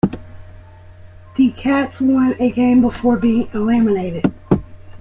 The "Cats" won a game before being eliminated.